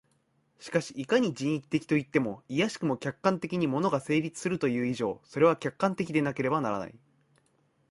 しかしいかに人為的といっても、いやしくも客観的に物が成立するという以上、それは客観的でなければならない。